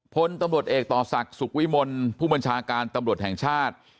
พลตำรวจเอกต่อศักดิ์สุขวิมลผู้บัญชาการตำรวจแห่งชาติ